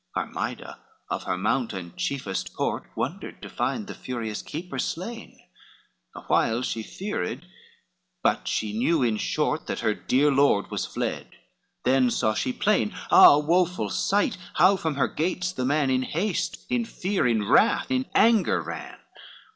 Armida of her mount and chiefest port Wondered to find the furious keeper slain, Awhile she feared, but she knew in short, That her dear lord was fled, then saw she plain, Ah, woful sight! how from her gates the man In haste, in fear, in wrath, in anger ran.